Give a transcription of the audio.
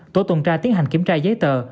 tổ tùng tra tiến hành kiểm tra giấy tờ